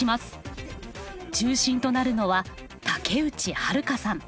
中心となるのは竹内春華さん。